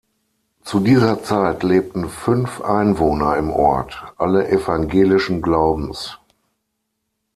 Zu dieser Zeit lebten fünf Einwohner im Ort, alle evangelischen Glaubens.